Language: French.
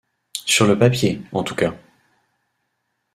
Sur le papier, en tout cas.